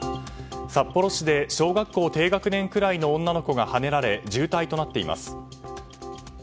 札幌市で小学校低学年ぐらいの女の子がはねられ重体となっています。